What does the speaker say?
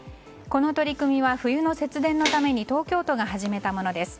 この取り組みは冬の節電のために東京都が始めたものです。